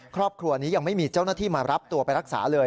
ครอบครัวนี้ยังไม่มีเจ้าหน้าที่มารับตัวไปรักษาเลย